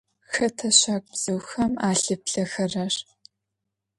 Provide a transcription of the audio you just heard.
Хэта щагубзыухэм алъыплъэхэрэр?